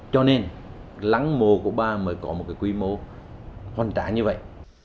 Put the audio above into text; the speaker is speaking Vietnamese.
cho nên lăng mộ của bà mới có một cái quy mô hoàn trang như vậy